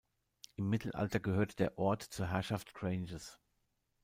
Im Mittelalter gehörte der Ort zur Herrschaft Granges.